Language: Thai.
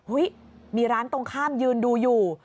มีร้านตรงข้ามยืนดูอยู่